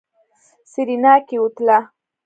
سېرېنا کېوتله.